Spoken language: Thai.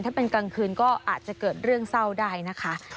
ถ้าเป็นกลางคืนก็อาจจะเกิดเรื่องเศร้าได้นะคะ